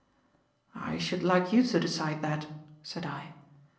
"I should like you to decide that," said I.